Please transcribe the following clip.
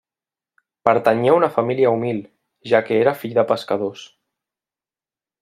Pertanyia a una família humil, ja que era fill de pescadors.